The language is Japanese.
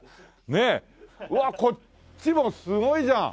うわこっちもすごいじゃん。